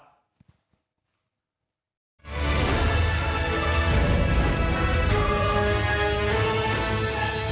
โปรดติดตามตอนต่อไป